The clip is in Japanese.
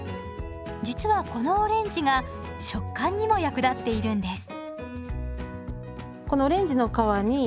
実はこのオレンジが食感にも役立っているんです。